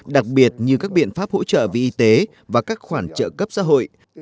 đặc biệt như các biện pháp hỗ trợ về y tế và các khoản trợ cấp xã hội